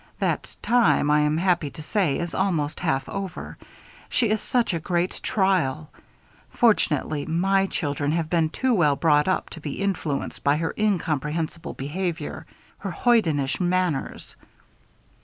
That time, I am happy to say, is almost half over. She is a great trial. Fortunately, my children have been too well brought up to be influenced by her incomprehensible behavior; her hoidenish manners."